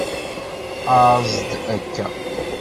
Aẓ-d akka!